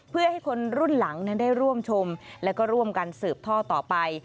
เพื่อให้คนรุ่นหลังนั้นได้ร่วมชมและก็ร่วมกันสืบท่อต่อไป